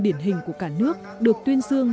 điển hình của cả nước được tuyên dương